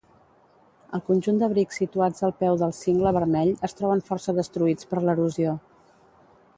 El conjunt d'abrics situats al peu del Cingle Vermell es troben força destruïts per l'erosió.